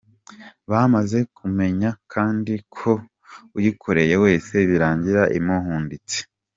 Bamaze kumenya kandi ko uyikoreye wese birangira imuhindutse!